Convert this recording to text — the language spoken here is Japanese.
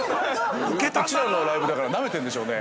うちらのライブだから、なめてるんでしょうね。